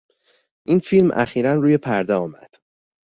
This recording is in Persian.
این فیلم اخیرا روی پرده آمد.